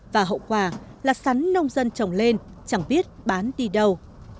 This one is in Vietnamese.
và hậu quả là sắn nông dân trồng lên chẳng biết bán đi đâu